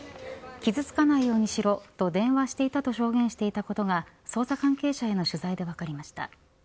傷つかないようにしろと電話していたと証言してたことが捜査関係者への取材で分かりました。